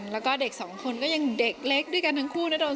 แล้วก็เด็กสองคนก็ยังเด็กเล็กด้วยกันทั้งคู่นะโดน